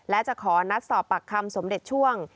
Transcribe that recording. และจะขอนัดสอบปากคำสมเด็จช่วง